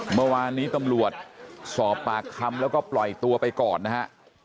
เมื่อวานนี้ตำรวจสอบปากคำแล้วก็ปล่อยตัวไปก่อนนะฮะ